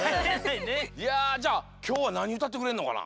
いやじゃあきょうはなにうたってくれるのかな？